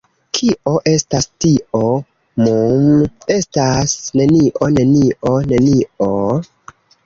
Kio estas tio? Mmm estas nenio, nenio, nenio...